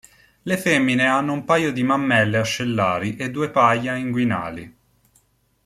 Le femmine hanno un paio di mammelle ascellari e due paia inguinali.